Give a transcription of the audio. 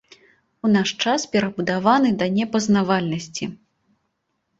У наш час перабудаваны да непазнавальнасці.